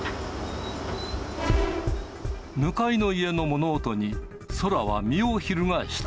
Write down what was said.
向かいの家の物音に宙は身をひるがえした。